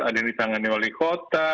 ada yang ditangani oleh kota